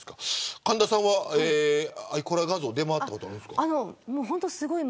神田さんはアイコラ画像出回ったことあるんですか。